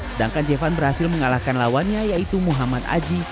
sedangkan jevan berhasil mengalahkan lawannya yaitu muhammad aji